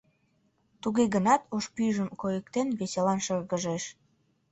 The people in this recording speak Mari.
Туге гынат, ош пӱйжым койыктен, веселан шыргыжеш.